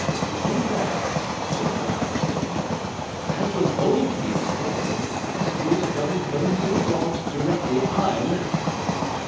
"In fact," said Clowes, getting up, "as was only to be expected, the school started going to the dogs directly I left.